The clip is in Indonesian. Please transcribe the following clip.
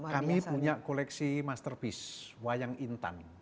kami punya koleksi masterpiece wayang intan